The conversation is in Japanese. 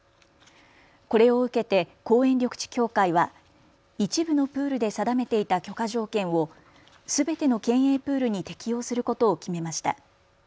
これを受けて公園緑地協会は一部のプールで定めていた許可条件をすべての県営プールに適用することを決めました。